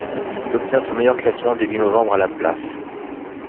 Il obtient son meilleur classement début novembre à la place.